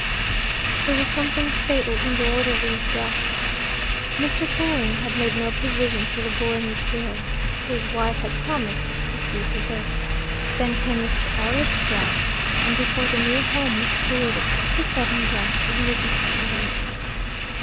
There was something fatal in the order of these deaths. Mr. Failing had made no provision for the boy in his will: his wife had promised to see to this. Then came Mr. Elliot's death, and, before the new home was created, the sudden death of Mrs. Elliot.